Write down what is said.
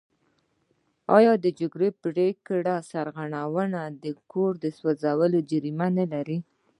آیا د جرګې د پریکړې نه سرغړونه د کور سوځول جریمه نلري؟